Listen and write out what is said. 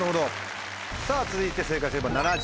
さぁ続いて正解すれば。